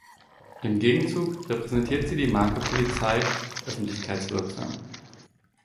Im Gegenzug repräsentieren sie die Marke Polizei öffentlichkeitswirksam.